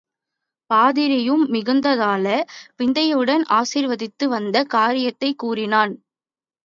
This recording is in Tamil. பாதிரியும் மிகுந்ததாாாள விந்தையுடன் ஆசிர்வதித்து, வந்த காரியத்தைக் கூறினான்.